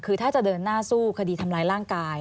คือถ้าจะเดินหน้าสู้คดีทำร้ายร่างกาย